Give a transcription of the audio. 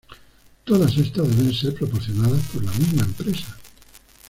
Todas estas deben ser proporcionadas por la misma empresa.